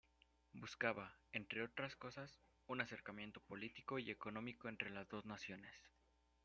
Buscaba, entre otras cosas, un acercamiento político y económico entre las dos naciones.